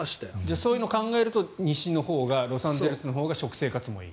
そういうのを考えるとロサンゼルスのほうが食生活がいい。